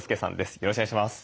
よろしくお願いします。